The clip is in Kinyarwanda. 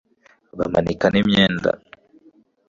bamanika n'imyenda